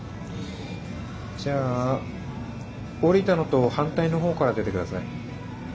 じゃあ降りたのと反対の方から出て下さい。